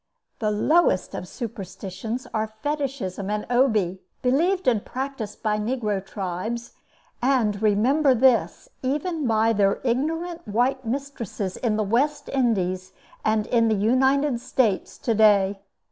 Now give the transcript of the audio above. These lowest of superstitions are Fetishism and Obi, believed and practiced by negro tribes, and, remember this, even by their ignorant white mistresses in the West Indies and in the United States, to day.